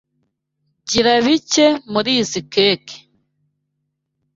Gira bike murizoi keke.